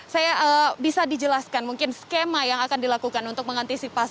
saya bisa dijelaskan mungkin skema yang akan dilakukan untuk mengantisipasi